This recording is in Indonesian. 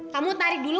kamu tarik dulu